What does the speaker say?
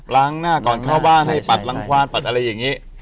ล้างหน้าก่อนเข้าบ้านให้ปัดรังควานปัดอะไรอย่างนี้